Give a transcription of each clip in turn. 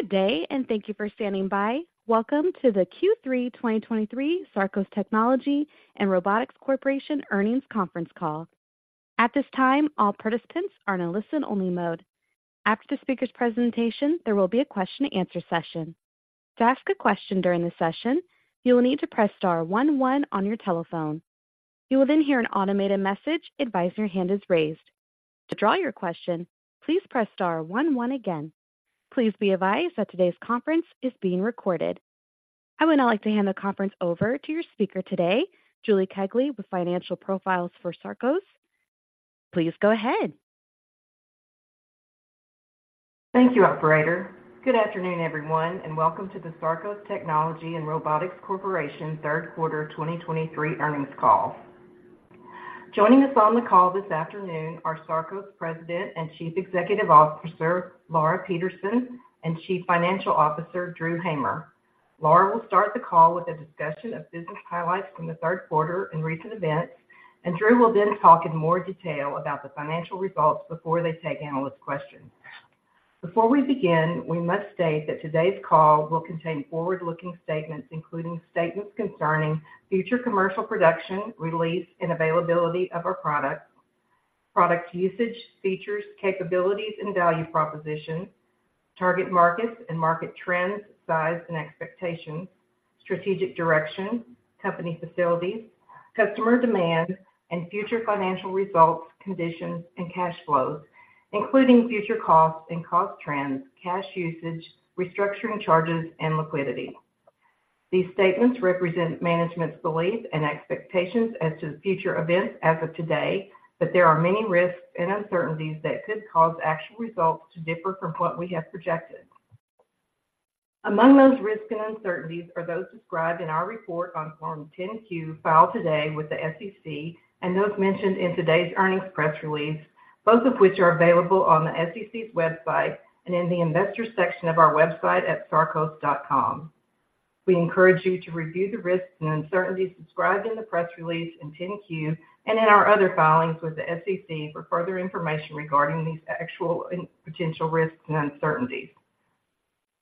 Good day, and thank you for standing by. Welcome to the Q3 2023 Sarcos Technology and Robotics Corporation Earnings Conference Call. At this time, all participants are in a listen-only mode. After the speaker's presentation, there will be a question-and-answer session. To ask a question during the session, you will need to press star one one on your telephone. You will then hear an automated message advise your hand is raised. To withdraw your question, please press star one one again. Please be advised that today's conference is being recorded. I would now like to hand the conference over to your speaker today, Julie Kegley, with Financial Profiles for Sarcos. Please go ahead. Thank you, operator. Good afternoon, everyone, and welcome to the Palladyne AI Third Quarter 2023 Earnings Call. Joining us on the call this afternoon are Palladyne AI President and Chief Executive Officer, Laura Peterson, and Chief Financial Officer, Drew Hamer. Laura will start the call with a discussion of business highlights from the third quarter and recent events, and Drew will then talk in more detail about the financial results before they take analyst questions. Before we begin, we must state that today's call will contain forward-looking statements, including statements concerning future commercial production, release, and availability of our products, product usage, features, capabilities, and value proposition, target markets and market trends, size and expectations, strategic direction, company facilities, customer demand, and future financial results, conditions, and cash flows, including future costs and cost trends, cash usage, restructuring charges, and liquidity. These statements represent management's belief and expectations as to future events as of today, but there are many risks and uncertainties that could cause actual results to differ from what we have projected. Among those risks and uncertainties are those described in our report on Form 10-Q, filed today with the SEC, and those mentioned in today's earnings press release, both of which are available on the SEC's website and in the Investors section of our website at sarcos.com. We encourage you to review the risks and uncertainties described in the press release and 10-Q and in our other filings with the SEC for further information regarding these actual and potential risks and uncertainties.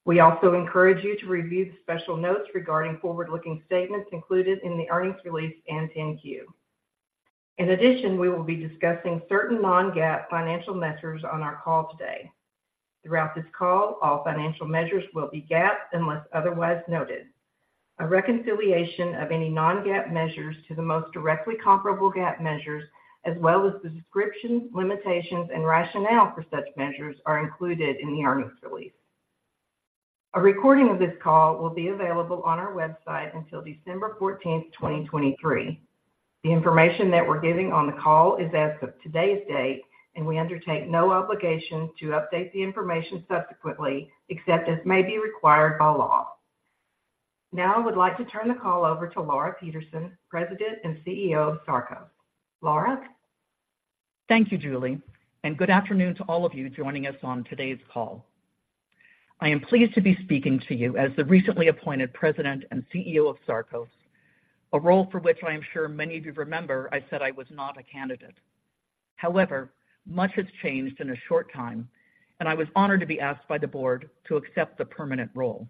We also encourage you to review the special notes regarding forward-looking statements included in the earnings release and 10-Q. In addition, we will be discussing certain non-GAAP financial measures on our call today. Throughout this call, all financial measures will be GAAP, unless otherwise noted. A reconciliation of any non-GAAP measures to the most directly comparable GAAP measures, as well as descriptions, limitations, and rationale for such measures, are included in the earnings release. A recording of this call will be available on our website until 12/14/2023. The information that we're giving on the call is as of today's date, and we undertake no obligation to update the information subsequently, except as may be required by law. Now, I would like to turn the call over to Laura Peterson, President and CEO of Palladyne AI. Laura? Thank you, Julie, and good afternoon to all of you joining us on today's call. I am pleased to be speaking to you as the recently appointed President and CEO of Sarcos, a role for which I am sure many of you remember I said I was not a candidate. However, much has changed in a short time, and I was honored to be asked by the board to accept the permanent role.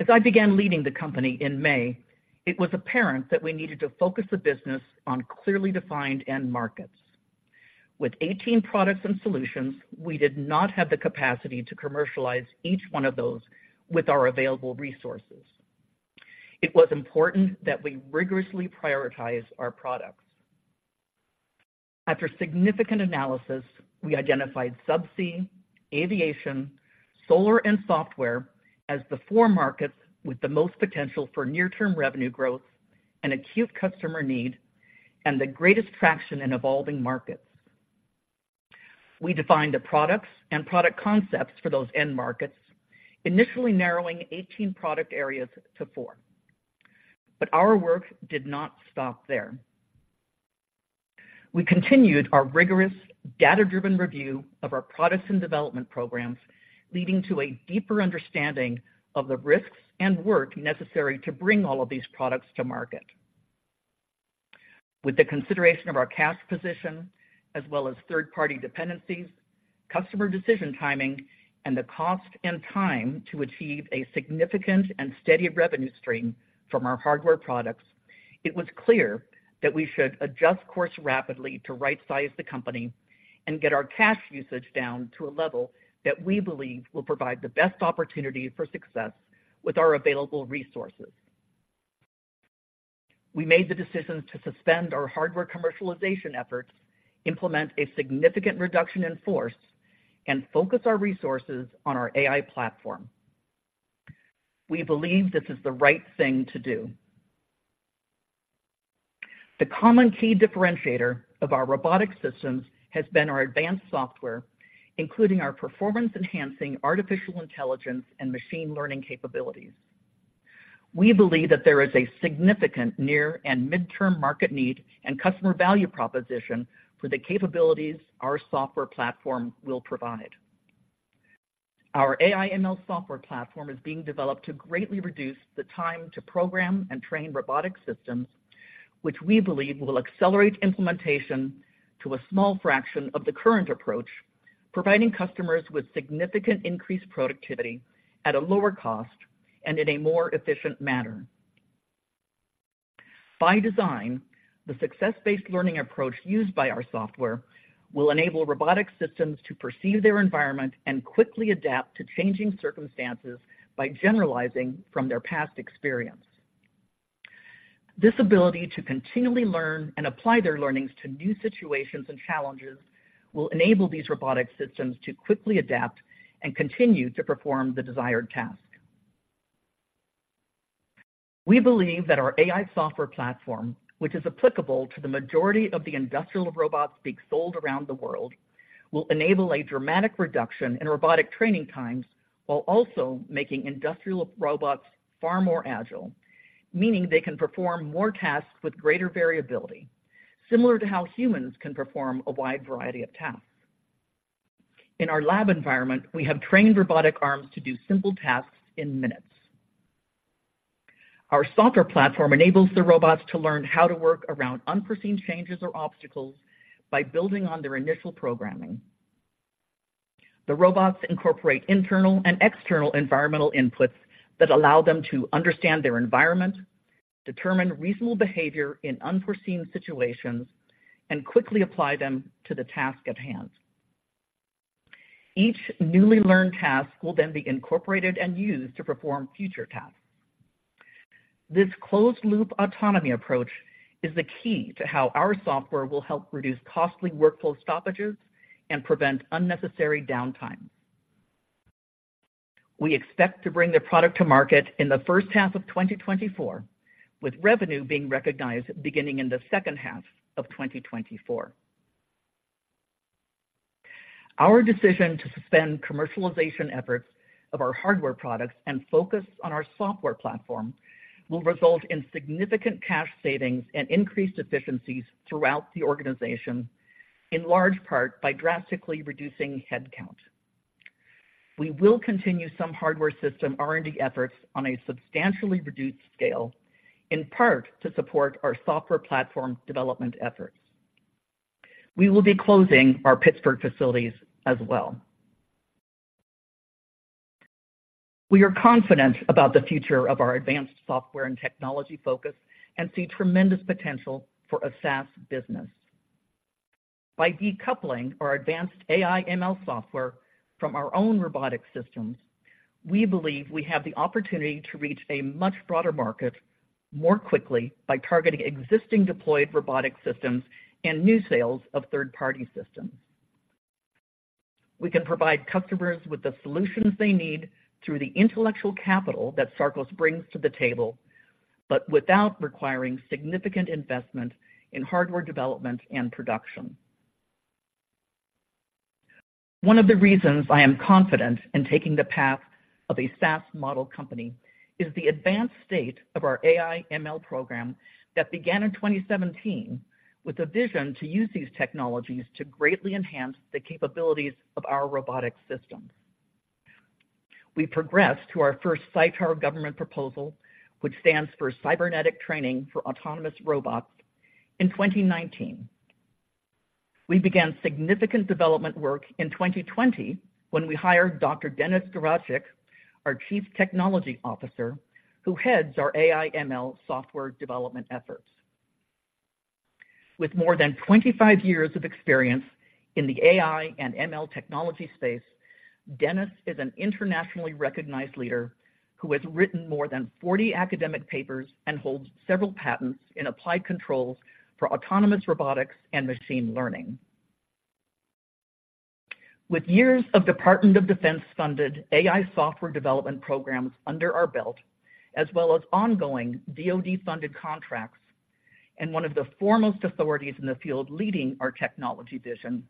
As I began leading the company in May, it was apparent that we needed to focus the business on clearly defined end markets. With 18 products and solutions, we did not have the capacity to commercialize each one of those with our available resources. It was important that we rigorously prioritize our products. After significant analysis, we identified subsea, aviation, solar, and software as the four markets with the most potential for near-term revenue growth and acute customer need and the greatest traction in evolving markets. We defined the products and product concepts for those end markets, initially narrowing 18 product areas to 4. Our work did not stop there. We continued our rigorous, data-driven review of our products and development programs, leading to a deeper understanding of the risks and work necessary to bring all of these products to market. With the consideration of our cash position as well as third-party dependencies, customer decision timing, and the cost and time to achieve a significant and steady revenue stream from our hardware products, it was clear that we should adjust course rapidly to right-size the company and get our cash usage down to a level that we believe will provide the best opportunity for success with our available resources. We made the decision to suspend our hardware commercialization efforts, implement a significant reduction in force, and focus our resources on our AI platform. We believe this is the right thing to do. The common key differentiator of our robotic systems has been our advanced software, including our performance-enhancing artificial intelligence and machine learning capabilities. We believe that there is a significant near and mid-term market need and customer value proposition for the capabilities our software platform will provide. Our AI/ML software platform is being developed to greatly reduce the time to program and train robotic systems, which we believe will accelerate implementation to a small fraction of the current approach, providing customers with significant increased productivity at a lower cost and in a more efficient manner. By design, the success-based learning approach used by our software will enable robotic systems to perceive their environment and quickly adapt to changing circumstances by generalizing from their past experience. This ability to continually learn and apply their learnings to new situations and challenges will enable these robotic systems to quickly adapt and continue to perform the desired task. We believe that our AI software platform, which is applicable to the majority of the industrial robots being sold around the world, will enable a dramatic reduction in robotic training times while also making industrial robots far more agile, meaning they can perform more tasks with greater variability, similar to how humans can perform a wide variety of tasks. In our lab environment, we have trained robotic arms to do simple tasks in minutes. Our software platform enables the robots to learn how to work around unforeseen changes or obstacles by building on their initial programming. The robots incorporate internal and external environmental inputs that allow them to understand their environment, determine reasonable behavior in unforeseen situations, and quickly apply them to the task at hand. Each newly learned task will then be incorporated and used to perform future tasks. This closed-loop autonomy approach is the key to how our software will help reduce costly workflow stoppages and prevent unnecessary downtime. We expect to bring the product to market in the first half of 2024, with revenue being recognized beginning in the second half of 2024. Our decision to suspend commercialization efforts of our hardware products and focus on our software platform will result in significant cash savings and increased efficiencies throughout the organization, in large part by drastically reducing headcount. We will continue some hardware system R&D efforts on a substantially reduced scale, in part to support our software platform development efforts. We will be closing our Pittsburgh facilities as well. We are confident about the future of our advanced software and technology focus and see tremendous potential for a SaaS business. By decoupling our advanced AI/ML software from our own robotic systems, we believe we have the opportunity to reach a much broader market more quickly by targeting existing deployed robotic systems and new sales of third-party systems. We can provide customers with the solutions they need through the intellectual capital that Sarcos brings to the table, but without requiring significant investment in hardware development and production. One of the reasons I am confident in taking the path of a SaaS model company is the advanced state of our AI/ML program that began in 2017, with a vision to use these technologies to greatly enhance the capabilities of our robotic systems. We progressed to our first CYTAR government proposal, which stands for Cybernetic Training for Autonomous Robots, in 2019. We began significant development work in 2020 when we hired Dr. Denis Garagić, our Chief Technology Officer, who heads our AI ML software development efforts. With more than 25 years of experience in the AI and ML technology space, Denis is an internationally recognized leader who has written more than 40 academic papers and holds several patents in applied controls for autonomous robotics and machine learning. With years of Department of Defense-funded AI software development programs under our belt, as well as ongoing DoD-funded contracts, and one of the foremost authorities in the field leading our technology vision,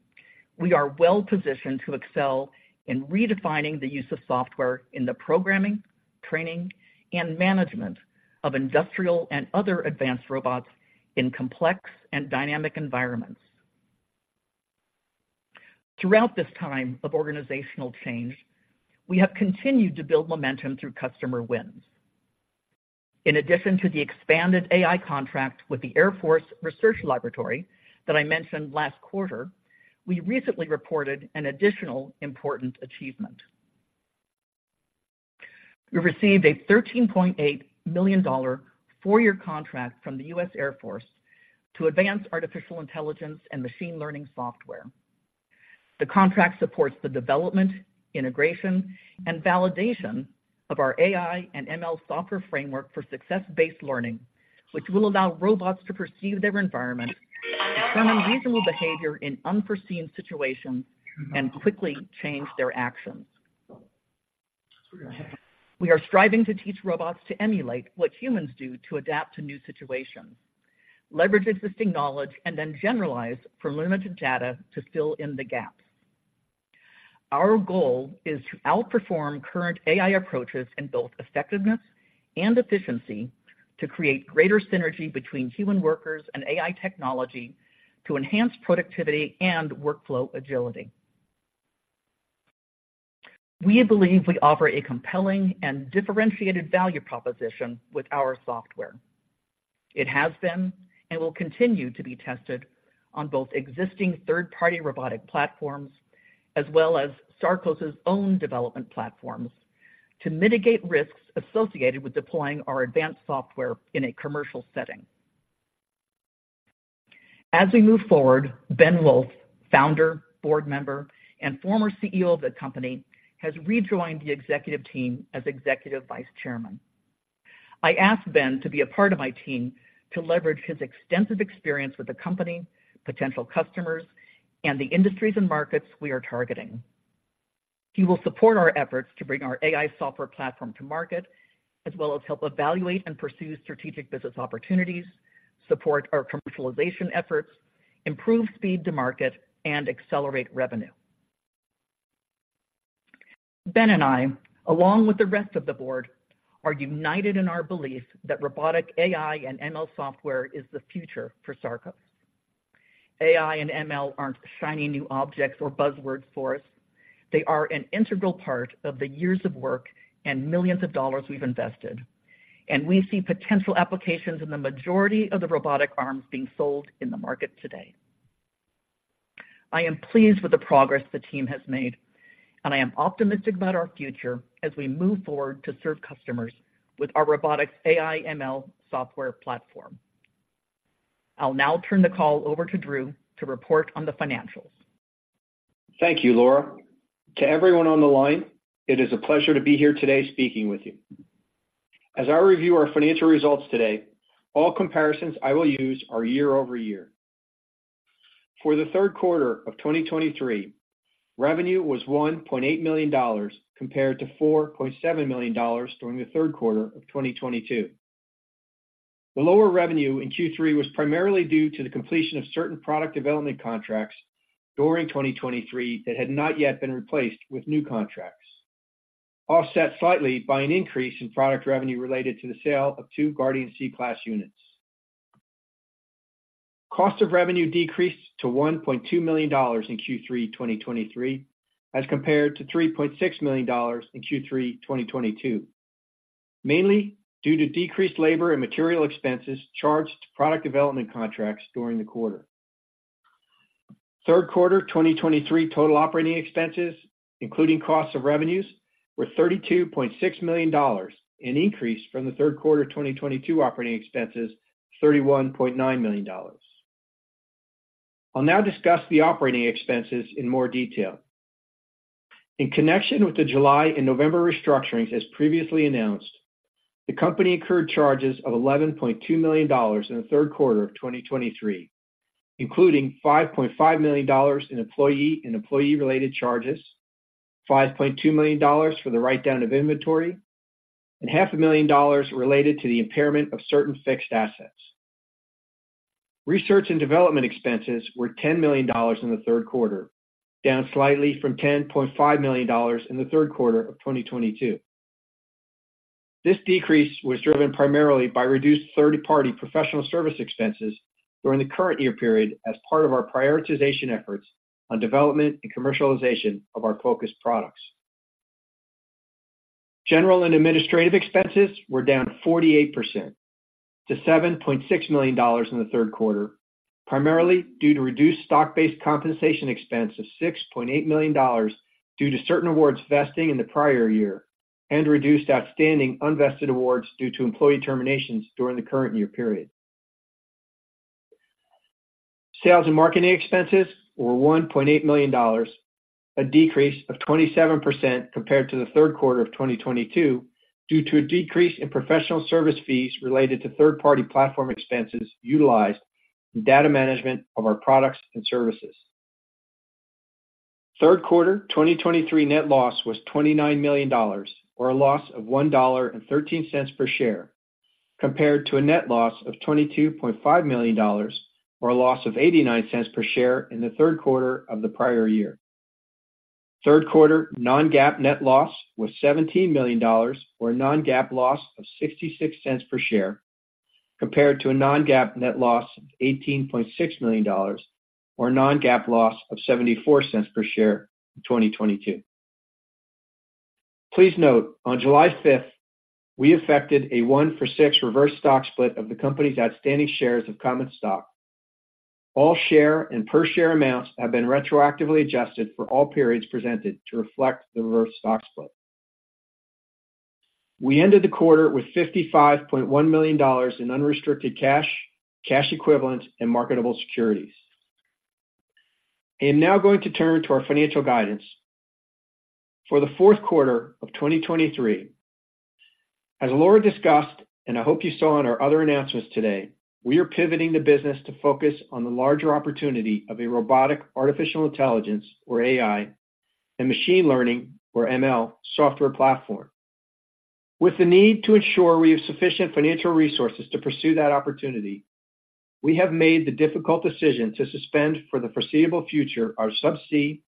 we are well positioned to excel in redefining the use of software in the programming, training, and management of industrial and other advanced robots in complex and dynamic environments. Throughout this time of organizational change, we have continued to build momentum through customer wins. In addition to the expanded AI contract with the Air Force Research Laboratory that I mentioned last quarter, we recently reported an additional important achievement. We received a $13.8 million 4-year contract from the U.S. Air Force to advance artificial intelligence and machine learning software. The contract supports the development, integration, and validation of our AI and ML software framework for Success-based learning, which will allow robots to perceive their environment, determine reasonable behavior in unforeseen situations, and quickly change their actions. We are striving to teach robots to emulate what humans do to adapt to new situations, leverage existing knowledge, and then generalize from limited data to fill in the gaps. Our goal is to outperform current AI approaches in both effectiveness and efficiency, to create greater synergy between human workers and AI technology, to enhance productivity and workflow agility.... We believe we offer a compelling and differentiated value proposition with our software. It has been, and will continue to be tested on both existing third-party robotic platforms, as well as Sarcos' own development platforms, to mitigate risks associated with deploying our advanced software in a commercial setting. As we move forward, Ben Wolff, founder, board member, and former CEO of the company, has rejoined the executive team as Executive Vice Chairman. I asked Ben to be a part of my team to leverage his extensive experience with the company, potential customers, and the industries and markets we are targeting. He will support our efforts to bring our AI software platform to market, as well as help evaluate and pursue strategic business opportunities, support our commercialization efforts, improve speed to market, and accelerate revenue. Ben and I, along with the rest of the board, are united in our belief that robotic AI and ML software is the future for Palladyne AI. AI and ML aren't shiny new objects or buzzwords for us. They are an integral part of the years of work and millions of dollars we've invested, and we see potential applications in the majority of the robotic arms being sold in the market today. I am pleased with the progress the team has made, and I am optimistic about our future as we move forward to serve customers with our robotics AI/ML software platform. I'll now turn the call over to Drew to report on the financials. Thank you, Laura. To everyone on the line, it is a pleasure to be here today speaking with you. As I review our financial results today, all comparisons I will use are year-over-year. For the third quarter of 2023, revenue was $1.8 million, compared to $4.7 million during the third quarter of 2022. The lower revenue in Q3 was primarily due to the completion of certain product development contracts during 2023, that had not yet been replaced with new contracts, offset slightly by an increase in product revenue related to the sale of 2 Guardian Sea class units. Cost of revenue decreased to $1.2 million in Q3 2023, as compared to $3.6 million in Q3 2022, mainly due to decreased labor and material expenses charged to product development contracts during the quarter. Third quarter 2023 total operating expenses, including costs of revenues, were $32.6 million, an increase from the third quarter 2022 operating expenses, $31.9 million. I'll now discuss the operating expenses in more detail. In connection with the July and November restructurings, as previously announced, the company incurred charges of $11.2 million in the third quarter of 2023, including $5.5 million in employee and employee-related charges, $5.2 million for the write-down of inventory, and $500,000 related to the impairment of certain fixed assets. Research and development expenses were $10 million in the third quarter, down slightly from $10.5 million in the third quarter of 2022. This decrease was driven primarily by reduced third-party professional service expenses during the current year period, as part of our prioritization efforts on development and commercialization of our focus products. General and administrative expenses were down 48% to $7.6 million in the third quarter, primarily due to reduced stock-based compensation expense of $6.8 million, due to certain awards vesting in the prior year and reduced outstanding unvested awards due to employee terminations during the current year period. Sales and marketing expenses were $1.8 million, a decrease of 27% compared to the third quarter of 2022, due to a decrease in professional service fees related to third-party platform expenses utilized in data management of our products and services. Third quarter 2023 net loss was $29 million, or a loss of $1.13 per share, compared to a net loss of $22.5 million, or a loss of $0.89 per share in the third quarter of the prior year. Third quarter non-GAAP net loss was $17 million, or a non-GAAP loss of $0.66 per share, compared to a non-GAAP net loss of $18.6 million, or a non-GAAP loss of $0.74 per share in 2022. Please note, on July 5, we effected a 1-for-6 reverse stock split of the company's outstanding shares of common stock. All share and per share amounts have been retroactively adjusted for all periods presented to reflect the reverse stock split. We ended the quarter with $55.1 million in unrestricted cash, cash equivalents, and marketable securities. I am now going to turn to our financial guidance. For the fourth quarter of 2023, as Laura discussed, and I hope you saw in our other announcements today, we are pivoting the business to focus on the larger opportunity of a robotic artificial intelligence, or AI, and machine learning, or ML, software platform. With the need to ensure we have sufficient financial resources to pursue that opportunity, we have made the difficult decision to suspend, for the foreseeable future, our subsea,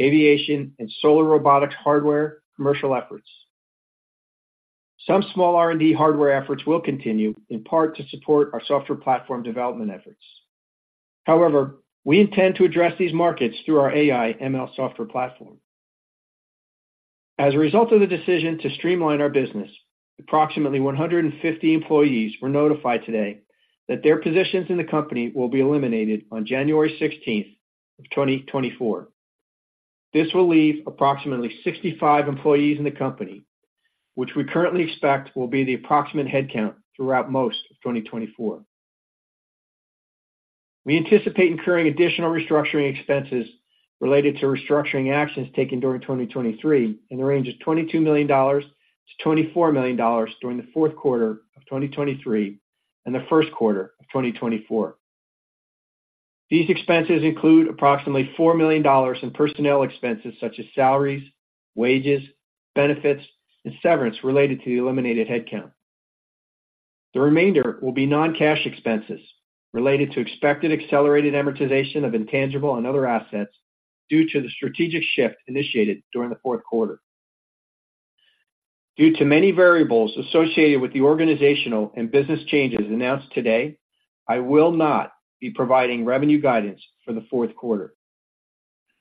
aviation, and solar robotics hardware commercial efforts. Some small R&D hardware efforts will continue, in part to support our software platform development efforts. However, we intend to address these markets through our AI/ML software platform. As a result of the decision to streamline our business, approximately 150 employees were notified today that their positions in the company will be eliminated on January 16, 2024. This will leave approximately 65 employees in the company, which we currently expect will be the approximate headcount throughout most of 2024. We anticipate incurring additional restructuring expenses related to restructuring actions taken during 2023 in the range of $22 million-$24 million during the fourth quarter of 2023 and the first quarter of 2024. These expenses include approximately $4 million in personnel expenses, such as salaries, wages, benefits, and severance related to the eliminated headcount. The remainder will be non-cash expenses related to expected accelerated amortization of intangible and other assets due to the strategic shift initiated during the fourth quarter. Due to many variables associated with the organizational and business changes announced today, I will not be providing revenue guidance for the fourth quarter.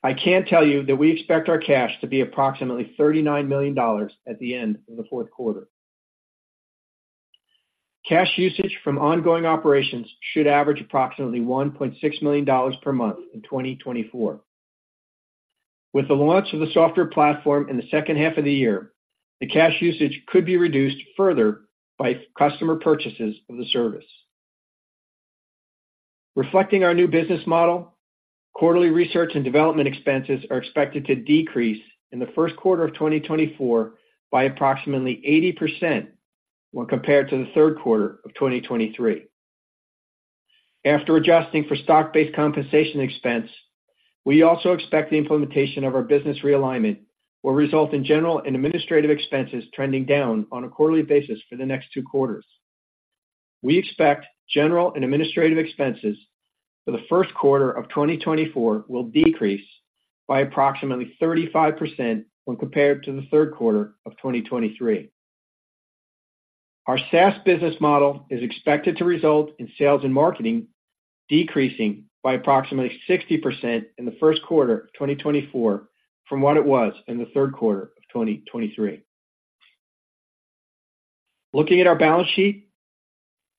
I can tell you that we expect our cash to be approximately $39 million at the end of the fourth quarter. Cash usage from ongoing operations should average approximately $1.6 million per month in 2024. With the launch of the software platform in the second half of the year, the cash usage could be reduced further by customer purchases of the service. Reflecting our new business model, quarterly research and development expenses are expected to decrease in the first quarter of 2024 by approximately 80% when compared to the third quarter of 2023. After adjusting for stock-based compensation expense, we also expect the implementation of our business realignment will result in general and administrative expenses trending down on a quarterly basis for the next two quarters. We expect general and administrative expenses for the first quarter of 2024 will decrease by approximately 35% when compared to the third quarter of 2023. Our SaaS business model is expected to result in sales and marketing decreasing by approximately 60% in the first quarter of 2024 from what it was in the third quarter of 2023. Looking at our balance sheet,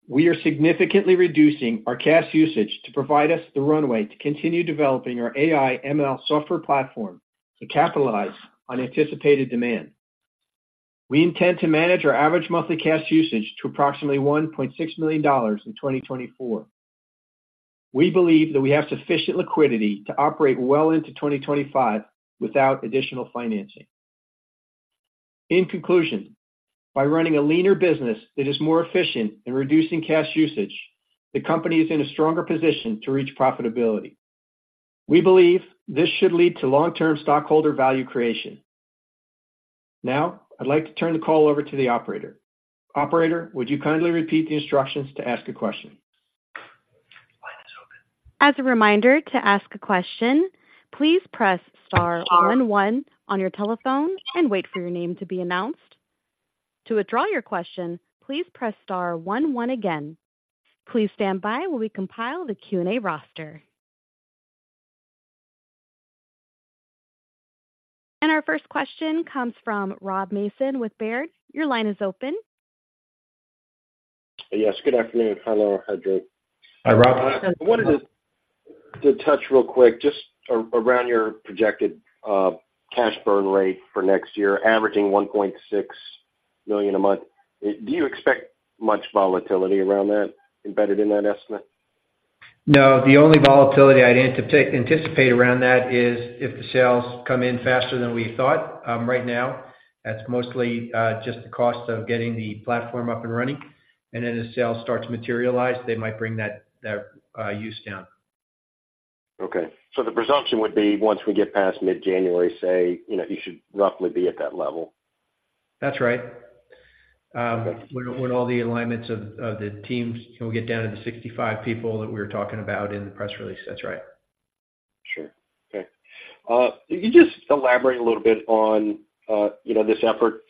we are significantly reducing our cash usage to provide us the runway to continue developing our AI/ML software platform to capitalize on anticipated demand. We intend to manage our average monthly cash usage to approximately $1.6 million in 2024. We believe that we have sufficient liquidity to operate well into 2025 without additional financing. In conclusion, by running a leaner business that is more efficient in reducing cash usage, the company is in a stronger position to reach profitability. We believe this should lead to long-term stockholder value creation. Now, I'd like to turn the call over to the operator. Operator, would you kindly repeat the instructions to ask a question? As a reminder, to ask a question, please press star one one on your telephone and wait for your name to be announced. To withdraw your question, please press star one one again. Please stand by while we compile the Q&A roster. Our first question comes from Rob Mason with Baird. Your line is open. Yes, good afternoon. Hello. Hi, Joe. I wanted to touch real quick, just around your projected cash burn rate for next year, averaging $1.6 million a month. Do you expect much volatility around that embedded in that estimate? No, the only volatility I'd anticipate around that is if the sales come in faster than we thought. Right now, that's mostly just the cost of getting the platform up and running, and then as sales start to materialize, they might bring that use down. Okay. So the presumption would be once we get past mid-January, say, you know, you should roughly be at that level? That's right. When all the alignments of the teams, we'll get down to the 65 people that we were talking about in the press release. That's right. Sure. Okay. Can you just elaborate a little bit on, you know, this effort,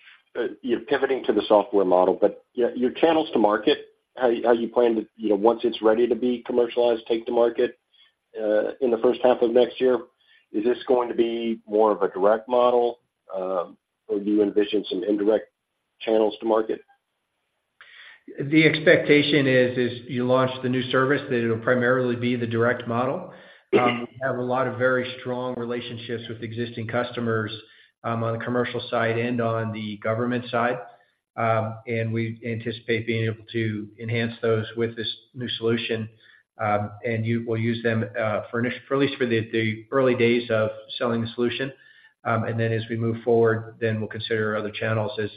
you know, pivoting to the software model, but your channels to market, how you plan to, you know, once it's ready to be commercialized, take to market in the first half of next year? Is this going to be more of a direct model, or do you envision some indirect channels to market? The expectation is you launch the new service, that it'll primarily be the direct model. We have a lot of very strong relationships with existing customers on the commercial side and on the government side. We anticipate being able to enhance those with this new solution, and we'll use them for at least the early days of selling the solution. Then as we move forward, we'll consider other channels as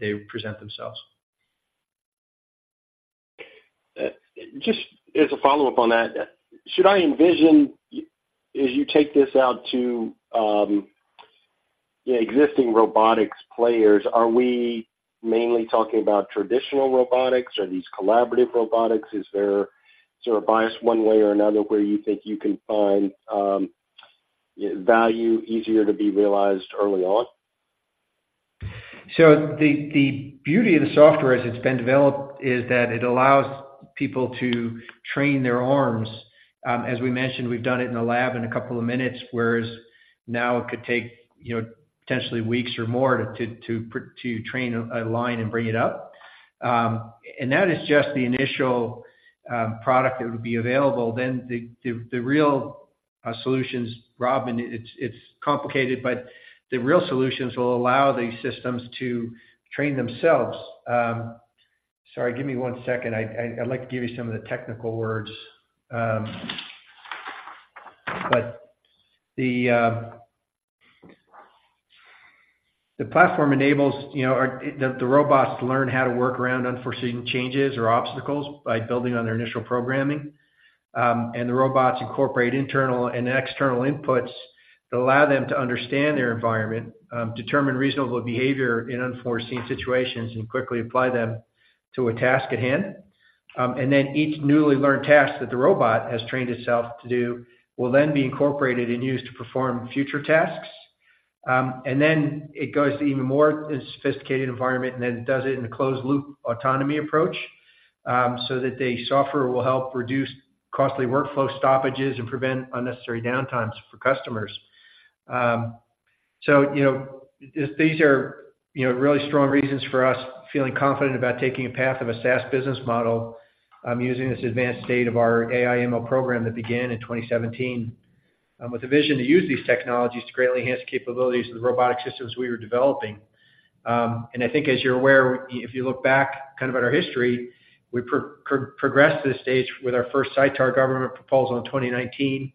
they present themselves. Just as a follow-up on that, should I envision, as you take this out to, existing robotics players, are we mainly talking about traditional robotics, or these collaborative robotics? Is there sort of bias one way or another, where you think you can find, value easier to be realized early on? So the beauty of the software as it's been developed is that it allows people to train their arms. As we mentioned, we've done it in the lab in a couple of minutes, whereas now it could take you know potentially weeks or more to train a line and bring it up. And that is just the initial product that would be available. Then the real solutions, Robin, it's complicated, but the real solutions will allow these systems to train themselves. Sorry, give me one second. I'd like to give you some of the technical words. But the platform enables you know the robots to learn how to work around unforeseen changes or obstacles by building on their initial programming. The robots incorporate internal and external inputs that allow them to understand their environment, determine reasonable behavior in unforeseen situations, and quickly apply them to a task at hand. Then each newly learned task that the robot has trained itself to do will then be incorporated and used to perform future tasks. Then it goes to even more sophisticated environment, and then it does it in a closed-loop autonomy approach, so that the software will help reduce costly workflow stoppages and prevent unnecessary downtimes for customers. So, you know, these are, you know, really strong reasons for us feeling confident about taking a path of a SaaS business model, using this advanced state of our AI/ML program that began in 2017, with a vision to use these technologies to greatly enhance the capabilities of the robotic systems we were developing. And I think, as you're aware, if you look back kind of at our history, we progressed to this stage with our first CYTAR government proposal in 2019.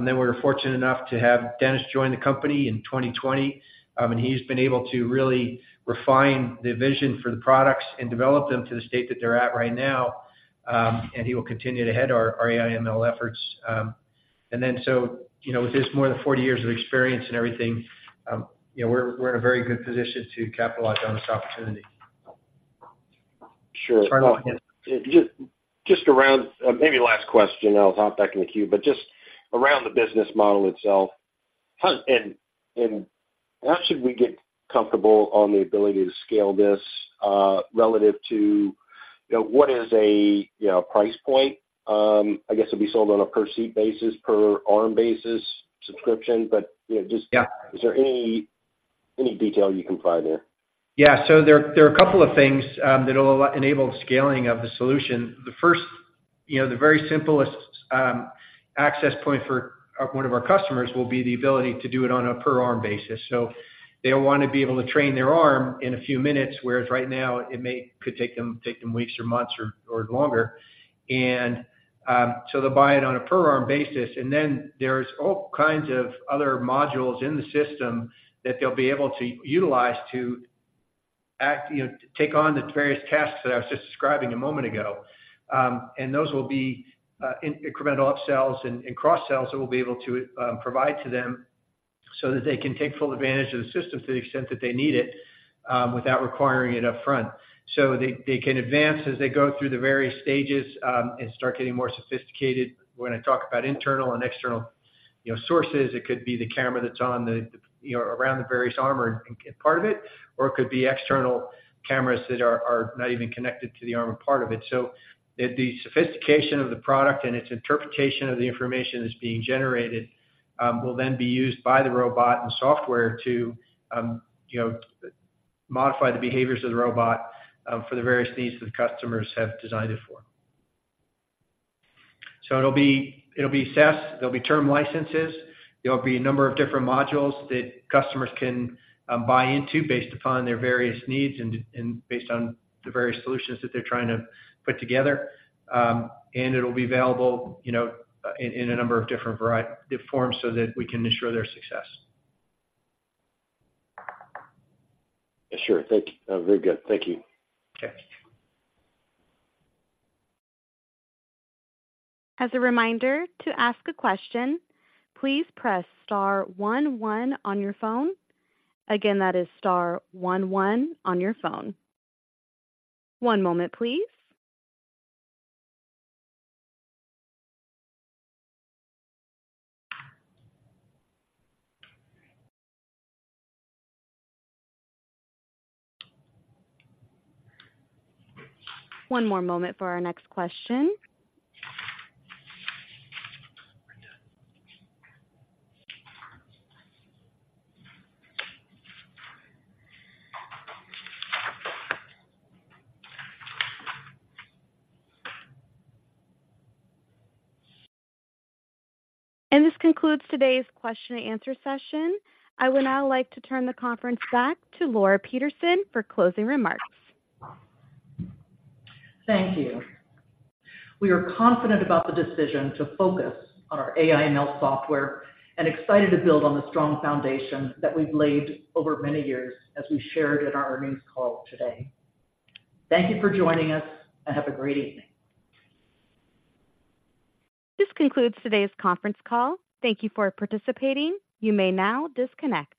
Then we were fortunate enough to have Denis join the company in 2020, and he's been able to really refine the vision for the products and develop them to the state that they're at right now. And he will continue to head our AI/ML efforts. You know, with his more than 40 years of experience and everything, you know, we're in a very good position to capitalize on this opportunity. Sure. Sorry, go ahead. Just around... Maybe last question, I'll hop back in the queue, but just around the business model itself. How and how should we get comfortable on the ability to scale this relative to, you know, what is a, you know, price point? I guess it'd be sold on a per seat basis, per arm basis, subscription, but, you know, just. Is there any, any detail you can provide there? Yeah. So there are a couple of things that will enable scaling of the solution. The first, you know, the very simplest access point for one of our customers will be the ability to do it on a per arm basis. So they'll want to be able to train their arm in a few minutes, whereas right now it could take them weeks or months or longer. And so they'll buy it on a per arm basis. And then there's all kinds of other modules in the system that they'll be able to utilize to act, you know, take on the various tasks that I was just describing a moment ago. Those will be in incremental upsells and cross-sells that we'll be able to provide to them, so that they can take full advantage of the system to the extent that they need it without requiring it upfront. So they can advance as they go through the various stages and start getting more sophisticated. When I talk about internal and external, you know, sources, it could be the camera that's on the, you know, around the various arm or part of it, or it could be external cameras that are not even connected to the arm or part of it. So the sophistication of the product and its interpretation of the information that's being generated, will then be used by the robot and software to, you know, modify the behaviors of the robot, for the various needs that the customers have designed it for. So it'll be, it'll be SaaS, there'll be term licenses, there'll be a number of different modules that customers can, buy into based upon their various needs and, and based on the various solutions that they're trying to put together. And it'll be available, you know, in, in a number of different variety, forms, so that we can ensure their success. Sure. Thank you. Very good. Thank you. Okay. As a reminder, to ask a question, please press star one, one on your phone. Again, that is star one, one on your phone. One moment, please. One more moment for our next question. This concludes today's question and answer session. I would now like to turn the conference back to Laura Peterson for closing remarks. Thank you. We are confident about the decision to focus on our AI/ML software and excited to build on the strong foundation that we've laid over many years as we shared in our earnings call today. Thank you for joining us, and have a great evening. This concludes today's conference call. Thank you for participating. You may now disconnect.